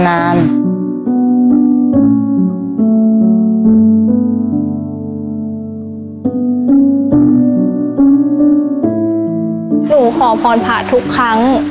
หนูขอพรพระทุกครั้ง